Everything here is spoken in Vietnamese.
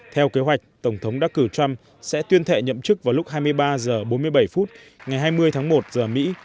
theo kế hoạch tổng thống đắc cử trump sẽ tuyên thệ nhậm chức vào lúc hai mươi ba h bốn mươi bảy phút ngày hai mươi tháng một giờ mỹ